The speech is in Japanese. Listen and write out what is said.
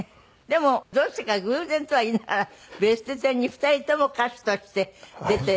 でもどうしてか偶然とは言いながら『ベストテン』に２人とも歌手として出て。